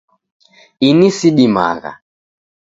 Ini sidimagha.